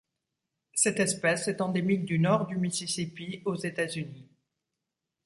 Cette espèce est endémique du Nord du Mississippi aux États-Unis.